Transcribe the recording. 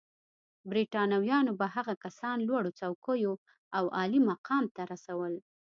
برېټانویانو به هغه کسان لوړو څوکیو او عالي مقام ته رسول.